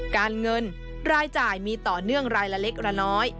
การเงินรายจ่ายมีต่อเนื่องรายละเล็กละน้อย